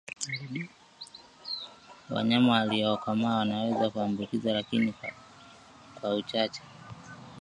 wanyama waliokomaa wanaweza kuambukizwa lakini kwa uchache